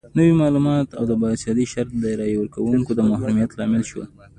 نوي مالیات او د باسوادۍ شرط د رایې ورکونکو د محرومیت لامل شول.